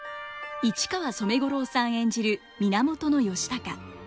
市川染五郎さん演じる源義高。